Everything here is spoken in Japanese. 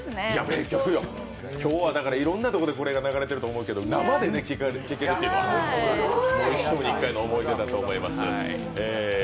名曲よ、今日はいろんなところでこれが流れてると思うけど生で聴けるというのは、一生に一回の思い出だと思います。